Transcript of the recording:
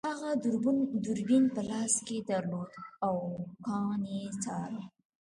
هغه دوربین په لاس کې درلود او کان یې څاره